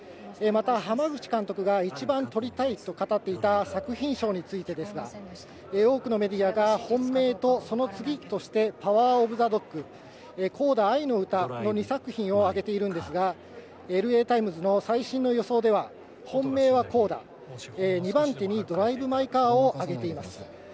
また濱口監督が一番とりたいと語っていた作品賞についてですが、多くのメディアが本命とその次として、『パワー・オブ・ザ・ドッグ』、『コーダあいのうた』の２作品は挙げているんですがＬＡタイムズの最新の予想では本命は『コーダ』、２番手に『ドライブ・マイ・カー』をあげています。